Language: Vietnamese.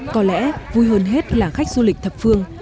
có lẽ vui hơn hết là khách du lịch thập phương